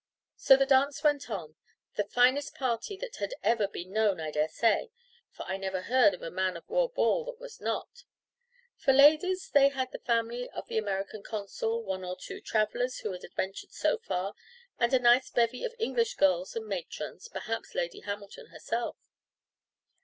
So the dance went on, the finest party that had ever been known, I dare say; for I never heard of a man of war ball that was not. For ladies they had the family of the American consul, one or two travellers who had adventured so far, and a nice bevy of English girls and matrons, perhaps Lady Hamilton herself.